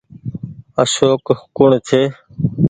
اشوڪ ڪوڻ ڇي۔